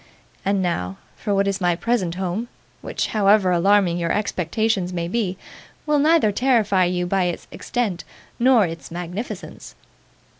And now, for what is my present home, which, however alarming your expectations may be, will neither terrify you by its extent nor its magnificence!